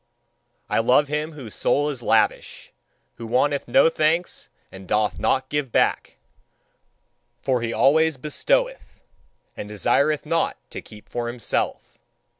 I love him whose soul is lavish, who wanteth no thanks and doth not give back: for he always bestoweth, and desireth not to keep for himself.